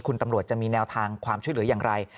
คุณตำรวจจะมีแนวทางความช่วยเหลืออย่างไร